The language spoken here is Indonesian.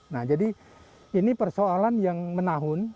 nah jadi ini persoalan yang menahun